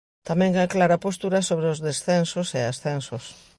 Tamén é clara a postura sobre os descensos e ascensos.